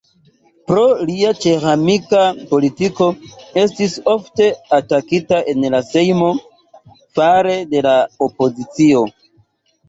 Pro lia ĉeĥ-amika politiko estis ofte atakita en la sejmo, fare de la opozicio.